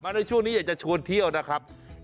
ในช่วงนี้อยากจะชวนเที่ยวนะครับ